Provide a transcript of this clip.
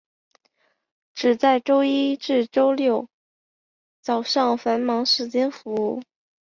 只在周一至六早上繁忙时间服务。